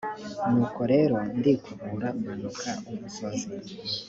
nuko rero ndikubura, manuka umusozi,